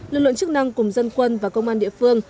lực lượng chức năng cùng dân quân và công an địa phương